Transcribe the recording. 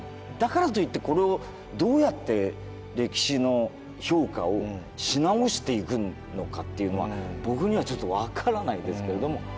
だからといってこれをどうやって歴史の評価をし直していくのかっていうのは僕にはちょっと分からないですけれども。